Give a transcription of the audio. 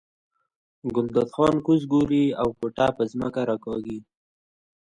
ګلداد خان کوز ګوري او ګوته په ځمکه راکاږي.